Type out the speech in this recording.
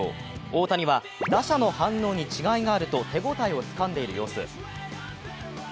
大谷は打者の反応に違いがあると手応えをつかんでいる様子。